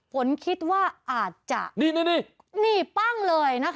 ฝนคิดว่าอาจจะนี่นี่ปั้งเลยนะคะ